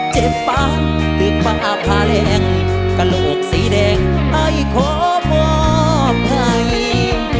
เจ็บป่ะตึกป่าพาแรงกระโลกสีแดงไอ้ขอบบไป